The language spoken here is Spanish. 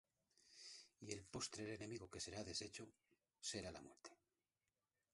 Y el postrer enemigo que será deshecho, será la muerte.